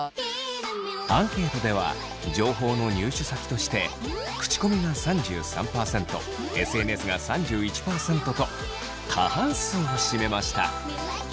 アンケートでは情報の入手先として口コミが３３％ＳＮＳが３１％と過半数を占めました。